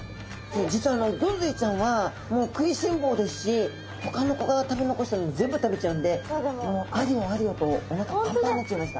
実はギョンズイちゃんは食いしん坊ですしほかの子が食べ残したもの全部食べちゃうんでもうあれよあれよとおなかパンパンになっちゃいました。